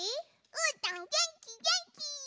うーたんげんきげんき！